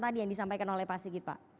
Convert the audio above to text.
tadi yang disampaikan oleh pak sigit pak